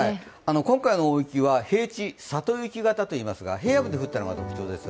今回の大雪は平地、里雪型といいますが、平野部で降ったのが特徴です。